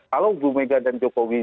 kalau bumega dan jokowi